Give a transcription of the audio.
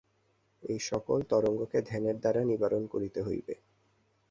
এই-সকল তরঙ্গকে ধ্যানের দ্বারা নিবারণ করিতে হইবে।